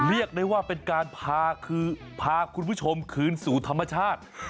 เรียกได้ว่าเป็นการพาคือพาคุณผู้ชมคืนสู่ธรรมชาติ